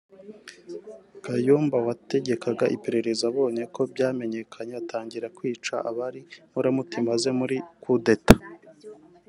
Kayumba wategekaga iperereza abonye ko byamenyekanye atangira kwica abari inkoramutima ze muri iyo Coup d’Etat